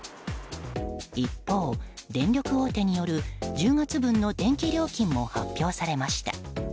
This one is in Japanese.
一方、電力大手による１０月分の電気料金も発表されました。